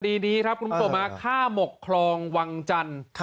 ตีนี้ครับกลุ่มต่อมาฆ่าหมกคลองวังจันทร์